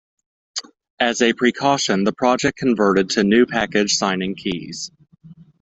As a precaution the Project converted to new package signing keys.